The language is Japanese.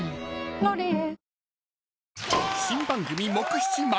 「ロリエ」